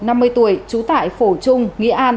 năm mươi tuổi trú tại phổ trung nghĩa an